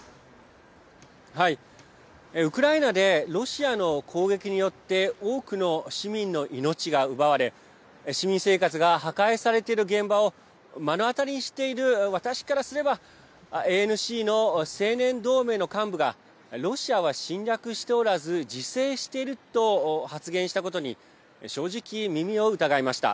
ウクライナでロシアの攻撃によって多くの市民の命が奪われ市民生活が破壊されている現場を目の当たりにしている私からすればＡＮＣの青年同盟の幹部がロシアは侵略しておらず自制していると発言したことに正直、耳を疑いました。